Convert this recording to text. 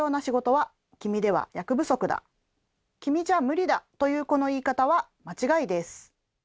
君じゃ無理だというこの言い方は間違いです。